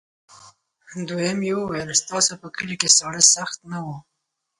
دوهم یې وویل ستاسې په کلي کې ساړه سخت نه وو.